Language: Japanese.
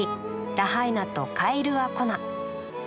ラハイナとカイルア・コナ。